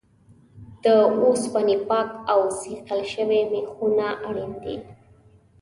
د اوسپنې پاک او صیقل شوي میخونه اړین دي.